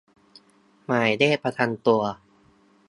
หมายเลขประจำตัว